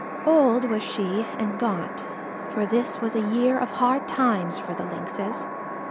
Old was she and gaunt, for this was a year of hard times for the Lynxes.